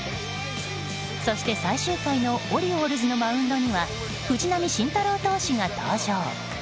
そして最終回のオリオールズのマウンドには藤浪晋太郎投手が登場。